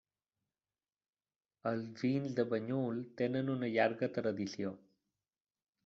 Els vins de Banyuls tenen una llarga tradició.